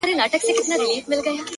شكر دى چي مينه يې په زړه كـي ده ـ